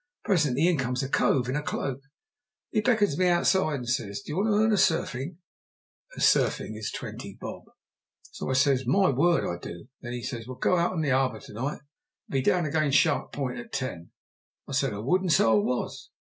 Presently in comes a cove in a cloak. He beckons me outside and says, 'Do you want to earn a sufring?' a sufring is twenty bob. So I says, 'My word, I do!' Then he says, 'Well, you go out on the harbour to night, and be down agin Shark Point at ten?' I said I would, and so I was.